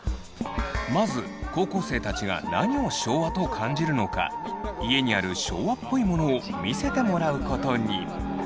まず高校生たちが何を昭和と感じるのか家にある“昭和っぽいもの”を見せてもらうことに。